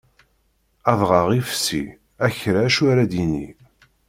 Adɣaɣ ifsi, akerra acu ar ad yini.